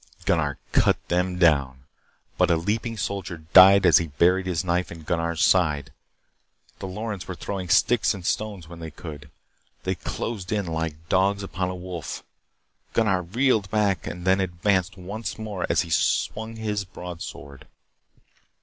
Gunnar cut them down, but a leaping soldier died as he buried his knife in Gunnar's side. The Lorens were throwing sticks and stones when they could. They closed in like dogs upon a wolf. Gunnar reeled back and then advanced once more as he swung his broadsword.